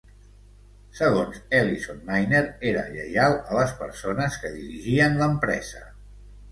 Segons Ellison, Miner era "lleial a les persones que dirigien l'empresa.